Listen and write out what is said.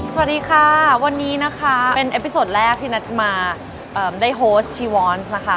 สวัสดีค่ะวันนี้นะคะเป็นเอฟพิโซนแรกที่นัทมาได้โฮสชีวอนซ์นะคะ